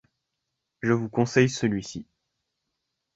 Je vous conseille celui-ci.